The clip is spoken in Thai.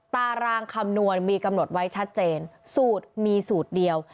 ตารางคำนวณมีกำหนดไว้ชัดเจนสูตรมีสูตรเดียว